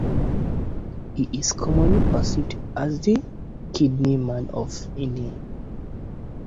He is commonly perceived as the "Kidney Man of India".